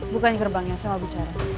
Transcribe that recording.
bukain gerbangnya saya mau bicara